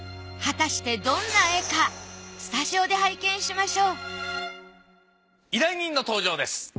果たしてどんな絵かスタジオで拝見しましょう依頼人の登場です。